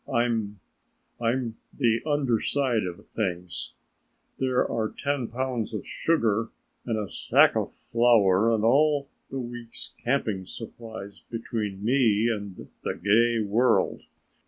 I'm I'm the under side of things; there are ten pounds of sugar and a sack of flour and all the week's camping supplies between me and the gay world."